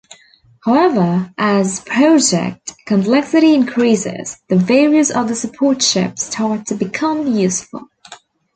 However, as project complexity increases, the various other support chips start to become useful.